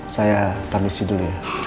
saya permisi dulu ya